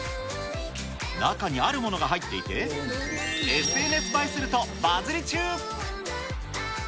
中にあるものが入っていて、ＳＮＳ映えするとバズり中。